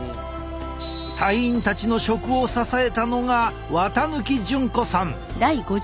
隊員たちの食を支えたのが渡貫淳子さん！